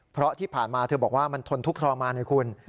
เพราะที่ผ่านมาเธอบอกว่ามันทนทุกข์ทรมานไงคุณ